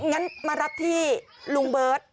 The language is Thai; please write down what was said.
งั้นมารับที่ลุงเบิร์ต